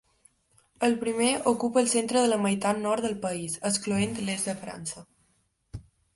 El primer ocupa el centre de la meitat nord del país, excloent l'est de França.